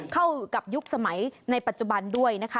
เข้ากับยุคสมัยในปัจจุบันด้วยนะคะ